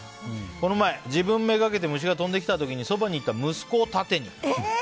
この前、自分目がけて虫が飛んできた時にそばにいた息子を盾に。